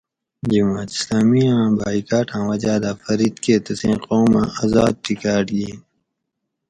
جماعت اِسلامی آۤں باۤیٔکاۤٹاۤں وجاۤ دہ فرید کہۤ تسیں قوم اۤ آزاد ٹِکاۤٹ گِین